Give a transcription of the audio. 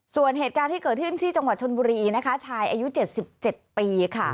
ส่วนเหตุการณ์ที่เกิดขึ้นที่จังหวัดชนบุรีนะคะชายอายุ๗๗ปีค่ะ